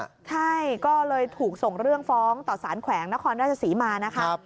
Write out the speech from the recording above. ใช่ก็เลยถูกส่งเรื่องฟ้องต่อสารแขวงนครราชศรีมานะคะ